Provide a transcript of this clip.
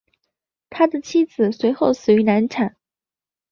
他的妻子随后死于难产。